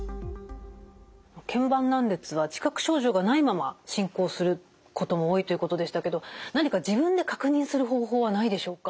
けん板断裂は自覚症状がないまま進行することも多いということでしたけど何か自分で確認する方法はないでしょうか？